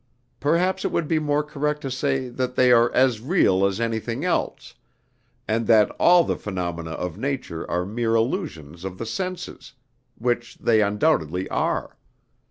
Perhaps it would be more correct to say that they are as real as anything else, and that all the phenomena of nature are mere illusions of the senses, which they undoubtedly are.